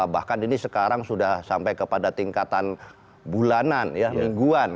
bahkan ini sekarang sudah sampai kepada tingkatan bulanan ya mingguan